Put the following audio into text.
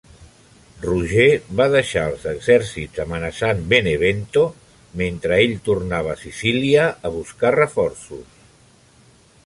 Roger va deixar els exèrcits amenaçant Benevento mentre ell tornava a Sicília a buscar reforços.